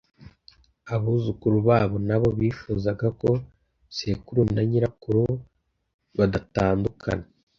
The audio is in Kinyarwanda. Abuzukuru babo nabo bifuzaga ko Sekuru na Nyirakuru badatandukana